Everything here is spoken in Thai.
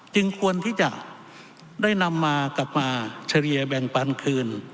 จึงควรที่จะได้นำมากลับมาเฉลี่ยแบ่งปันคืน